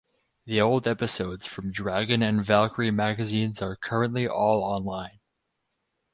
The old episodes from Dragon and Valkyrie magazines are currently all online.